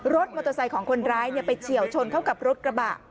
รถมอเตอร์ไซค์ของคนร้ายไปเฉียวชนเข้ากับรถกระบะ